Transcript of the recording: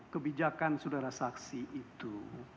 kebijakan sudara saksi itu